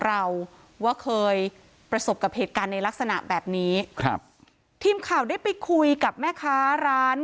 เราว่าเคยประสบกับเหตุการณ์ในลักษณะแบบนี้ครับทีมข่าวได้ไปคุยกับแม่ค้าร้าน